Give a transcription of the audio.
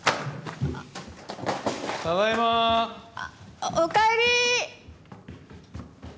・ただいま・おかえり。